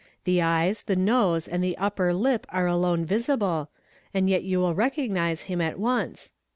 The eyes, the nose, and the upper lip are alone visible, and yet you will recognise him at once.